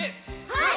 はい！